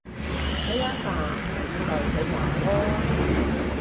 你阿爸咪要代佢還囉